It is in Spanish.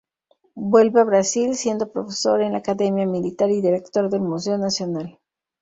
Vuelve a Brasil, siendo profesor en la Academia Militar y director del Museo Nacional.